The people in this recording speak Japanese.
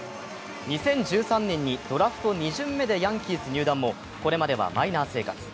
２０１３年にドラフト２巡目でヤンキース入団もこれまではマイナー生活。